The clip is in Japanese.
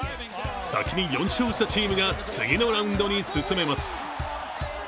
先に４勝したチームが次のラウンドに進めます。